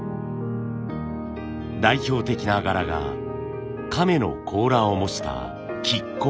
代表的な柄が亀の甲羅を模した亀甲。